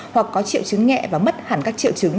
hoặc có triệu chứng nhẹ và mất hẳn các triệu chứng